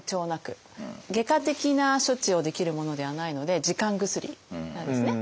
外科的な処置をできるものではないので時間薬なんですね。